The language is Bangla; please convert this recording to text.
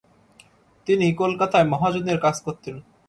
তিনি কলকাতায় মহাজনের কাজ করতেন।